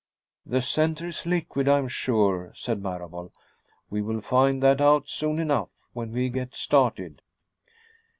"The center is liquid, I'm sure," said Marable. "We will find that out soon enough, when we get started."